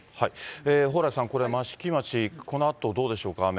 蓬莱さん、これ、益城町、このあとどうでしょうか、雨。